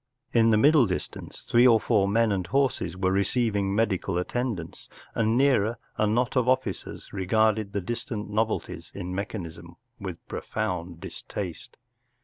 In the middle distance three or four men and horses were re¬ ceiving medical attendance, and a little nearer a knot of officers regarded the dis¬ tant novelties in mechanism with profound dis¬ taste.